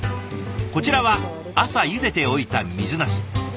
こちらは朝ゆでておいた水なす。